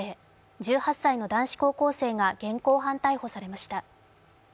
１８歳の男子高校生が現行犯逮捕されました。